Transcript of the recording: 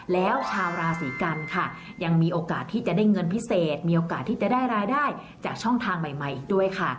แล้วชาวราศีกันค่ะยังมีโอกาสที่จะได้เงินพิเศษมีโอกาสที่จะได้รายได้จากช่องทางใหม่อีกด้วยค่ะ